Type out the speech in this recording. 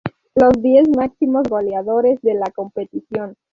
Los diez máximos goleadores de la competición.